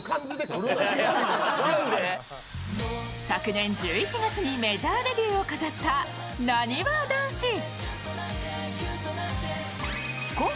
昨年１１月にメジャーデビューを飾ったなにわ男子。